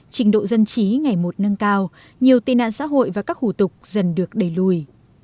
trình độ dân trí ngày một nâng cao nhiều tệ nạn xã hội và các hủ tục dần được đẩy lùi